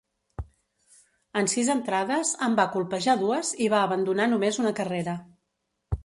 En sis entrades, en va colpejar dues i va abandonar només una carrera.